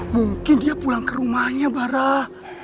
mungkin dia pulang ke rumahnya barah